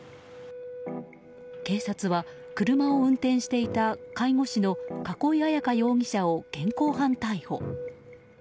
警察は車を運転していた介護士の栫彩可容疑者を現行犯逮捕。